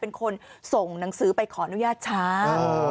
เป็นคนส่งหนังสือไปขออนุญาตช้า